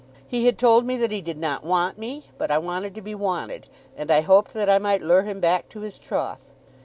He had told me that he did not want me; but I wanted to be wanted, and I hoped that I might lure him back to his troth.